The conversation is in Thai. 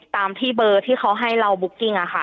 ตามที่เบอร์ที่เขาให้เราบุ๊กกิ้งอะค่ะ